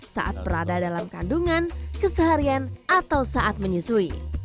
saat berada dalam kandungan keseharian atau saat menyusui